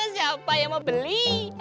siapa yang mau beli